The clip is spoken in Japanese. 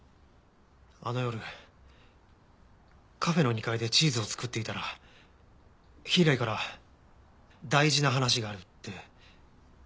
あの夜カフェの２階でチーズを作っていたら柊から大事な話があるって電話で呼び出されて。